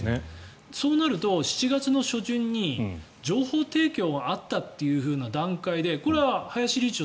そうなると、７月初旬に情報提供があったという段階でこれは林理事長